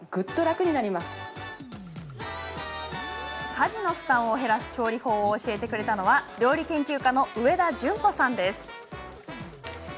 家事の負担を減らす調理法を教えてくれたのは料理研究家の上田淳子さんです。